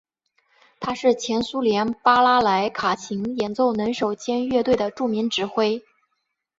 他是前苏联巴拉莱卡琴演奏能手兼乐队的著名指挥。